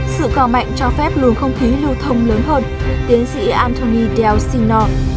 sự cò mạnh cho phép lùn không khí lưu thông lớn hơn tiến sĩ anthony delcino